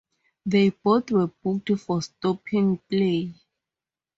They both were booked for stopping play.